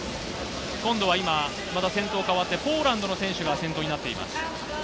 今度は今、また先頭変わって、ポーランドの選手が先頭になっています。